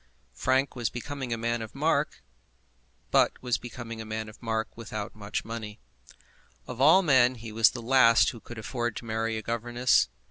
Frank was becoming a man of mark, but was becoming a man of mark without much money. Of all men he was the last who could afford to marry a governess.